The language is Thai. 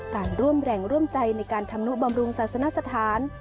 ต่างร่วมแรงร่วมใจในการทำนุบำรุงศาสนสถาน